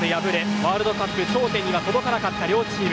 ワールドカップ頂点には届かなかった両チーム。